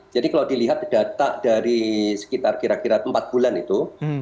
jadi kalau dilihat data dari sekitar kira kira empat bulan itu